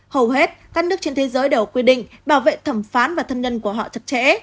hầu hết các nước trên thế giới đều quy định bảo vệ thẩm phán và thân nhân của họ chặt chẽ